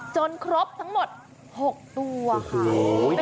ครบทั้งหมด๖ตัวค่ะ